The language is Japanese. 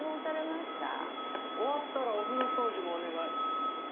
終わったらお風呂掃除もお願い。